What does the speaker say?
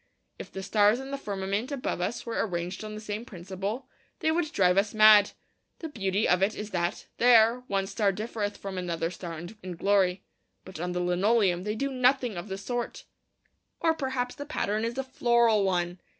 If the stars in the firmament above us were arranged on the same principle, they would drive us mad. The beauty of it is that, there, one star differeth from another star in glory. But on the linoleum they do nothing of the sort. Or perhaps the pattern is a floral one.